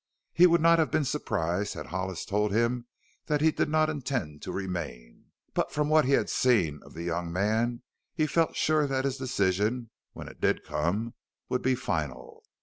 He would not have been surprised had Hollis told him that he did not intend to remain. But from what he had seen of the young man he felt sure that his decision, when it did come, would be final.